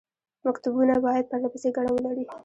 مکتوبونه باید پرله پسې ګڼه ولري.